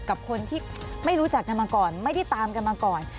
กับคนที่ไม่รู้จักกันมาก่อนไม่ได้ตามกันมาก่อน